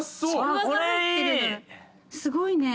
すごいね。